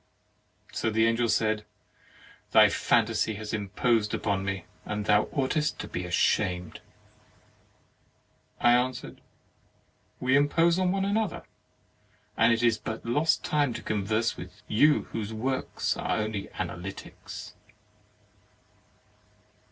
So the Angel said; "Thy phantasy has imposed upon me, and thou ought est to be ashamed." I answered: "We impose on one another, and it is but lost time to con verse with you whose works are only Analytics.'